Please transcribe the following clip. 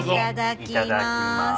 いただきます。